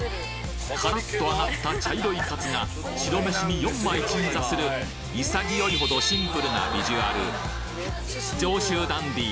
カラッと揚がった茶色いカツが白飯に４枚鎮座する潔いほどシンプルなビジュアル上州ダンディー